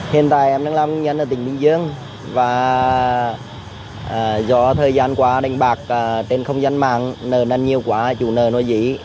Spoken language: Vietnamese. hiện tại em đang làm công việc ở tỉnh bình dương và do thời gian quá đánh bạc trên không gian mạng nợ năn nhiều quá chủ nợ nó dí